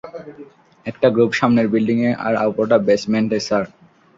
একটা গ্রুপ সামনের বিল্ডিংয়ে আর অপরটা বেসমেন্টে, স্যার।